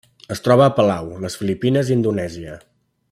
Es troba a Palau, les Filipines i Indonèsia.